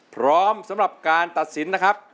พร้อมสำหรับการตัดสินนะครับ